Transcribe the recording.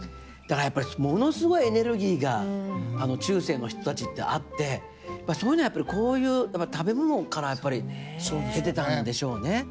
だからやっぱりものすごいエネルギーが中世の人たちってあってそういうのやっぱりこういう食べ物から得てたんでしょうね。